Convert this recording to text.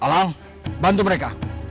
alang bantu mereka